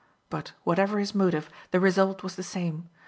But, whatever his motive, the result was the same.